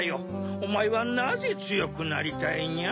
おまえはなぜつよくなりたいニャ？